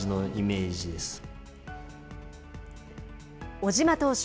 小島投手